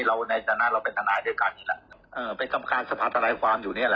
เราเป็นธนายด้วยกันเป็นสำคัญสภาษาภาคความอยู่นี่แหละ